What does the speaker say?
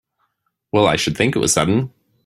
Well I should think it was sudden!